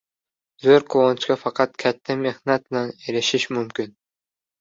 Zo‘r quvonchga faqat katta mehnat bilan erishish mumkin.